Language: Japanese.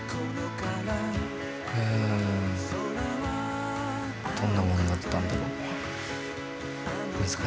んどんなものだったんだろう。